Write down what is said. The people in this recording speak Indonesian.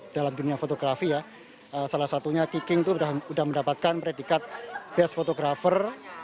dalam dunia fotografi ya salah satunya kiking itu sudah mendapatkan predikat best photographer